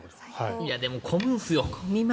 でも混むんですよ。